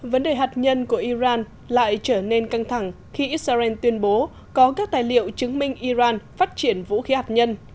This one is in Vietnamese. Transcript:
vấn đề hạt nhân của iran lại trở nên căng thẳng khi israel tuyên bố có các tài liệu chứng minh iran phát triển vũ khí hạt nhân